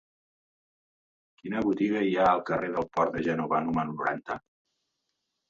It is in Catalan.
Quina botiga hi ha al carrer del Port de Gènova número noranta?